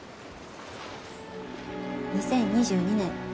２０２２年